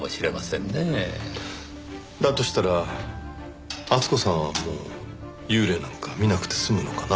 だとしたら厚子さんはもう幽霊なんか見なくて済むのかな。